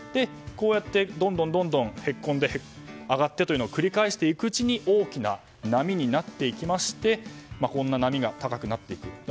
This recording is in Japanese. こうやってどんどんへこんで、上がってを繰り返していくうちに大きな波になっていきましてこんなに波が高くなっていく。